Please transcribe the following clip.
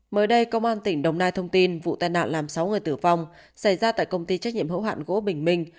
mới đây công an tỉnh đồng nai thông tin vụ tai nạn làm sáu người tử vong xảy ra tại công ty trách nhiệm hữu hạn gỗ bình minh